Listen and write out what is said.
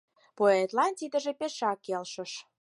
Поэтлан тидыже пешак келшыш.